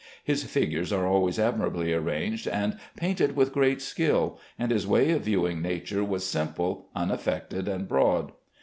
His figures are always admirably arranged, and painted with great skill, and his way of viewing nature was simple, unaffected, and broad.